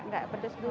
enggak pedes dulu deh